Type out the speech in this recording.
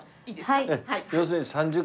はい。